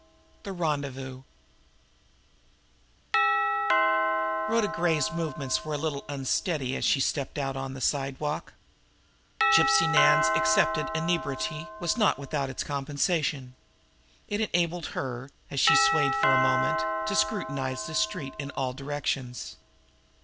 THE RENDEZVOUS Rhoda Gray's movements were a little unsteady as she stepped out on the sidewalk. Gypsy Nan's accepted inebriety was not without its compensation. It enabled her, as she swayed for a moment, to scrutinize the street in all directions.